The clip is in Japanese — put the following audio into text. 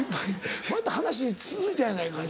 また話続いたやないか。